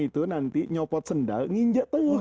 itu nanti nyopot sendal nginjak telur